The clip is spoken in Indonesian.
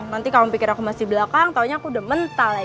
nanti kamu pikir aku masih belakang taunya aku dah jalan dulu deh ya